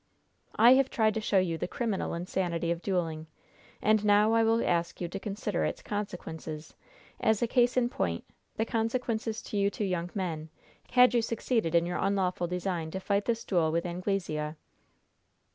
"I have tried to show you the criminal insanity of dueling, and now I will ask you to consider its consequences as a case in point, the consequences to you two young men, had you succeeded in your unlawful design to fight this duel with Anglesea.